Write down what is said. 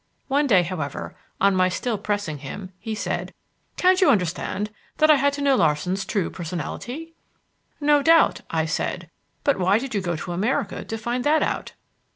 One day, however, on my still pressing him, he said: "Can't you understand that I had to know Larsan's true personality?" "No doubt," I said, "but why did you go to America to find that out?"